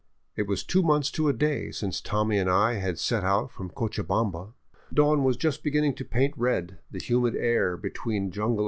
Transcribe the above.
It was two months to a day since Tommy and I had set out from Cochabamba. Dawn was just beginning to paint red the humid air between jungle